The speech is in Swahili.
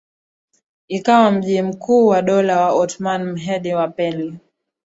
ikawa mji mkuu wa Dola ya Ottoman Mehmed wa pili